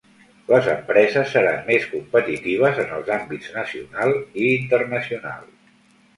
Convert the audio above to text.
Les empreses seran més competitives en els àmbits nacional i internacional.